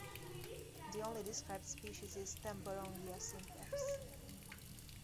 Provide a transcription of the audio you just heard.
The only described species is Temburongia simplex.